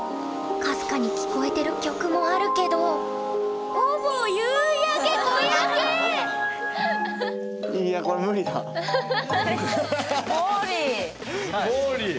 かすかに聞こえてる曲もあるけどほぼいやもーりー！